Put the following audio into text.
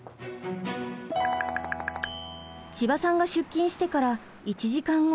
千葉さんが出勤してから１時間後。